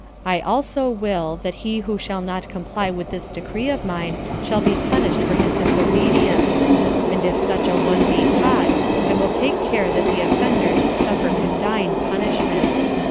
I also will that he who shall not comply with this decree of mine shall be punished for his disobedience; and if such a one be caught, I will take care that the offenders suffer condign punishment."